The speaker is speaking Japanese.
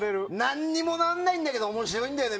何もならないんだけど面白いんだよね